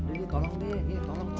jadi tolong deh tolong